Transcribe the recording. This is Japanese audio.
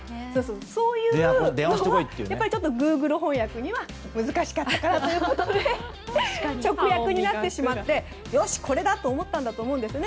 そういうのがグーグル翻訳には難しかったかなということで直訳になってしまってこれだと思ったんだと思ったんでしょうね。